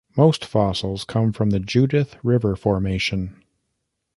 Most fossils come from the Judith River Formation.